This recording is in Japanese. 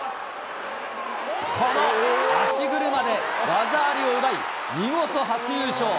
この足車で技ありを奪い、見事、初優勝。